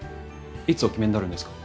いつお決めになるんですか？